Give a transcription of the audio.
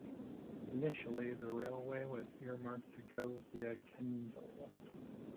Initially the railway was earmarked to go via Kendal.